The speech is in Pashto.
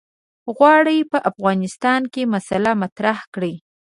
غواړي په افغانستان کې مسأله مطرح کړي.